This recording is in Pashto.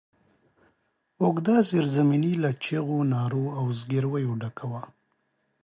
اوږده زېرزميني له چيغو، نارو او زګرويو ډکه وه.